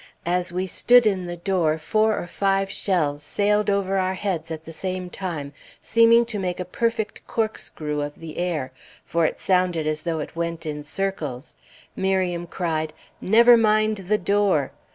As we stood in the door, four or five shells sailed over our heads at the same time, seeming to make a perfect corkscrew of the air, for it sounded as though it went in circles. Miriam cried, "Never mind the door!"